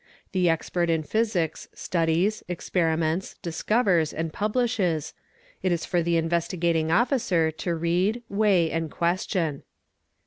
The expert in physics studies, experiments, discovers, and : Fetiichas, it is for the Investigating Officer to read, weigh, and question.